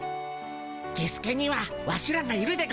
キスケにはワシらがいるでゴンス。